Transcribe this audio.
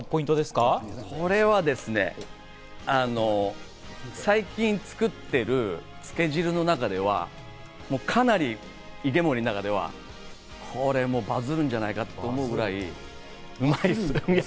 これはですね、最近作ってるつけ汁の中ではかなり池森の中ではバズるんじゃないかと思うぐらいうまいっす。